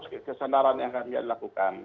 harus kesadaran yang harus dilakukan